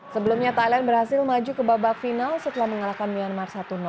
sebelumnya thailand berhasil maju ke babak final setelah mengalahkan myanmar satu